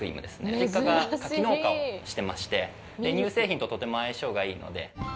実家が柿農家をしてまして乳製品ととても相性がいいので。